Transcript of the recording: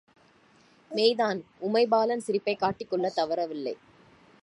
மெய்தான்! உமைபாலன் சிரிப்பைக் காட்டிக்கொள்ளத் தவறவில்லை.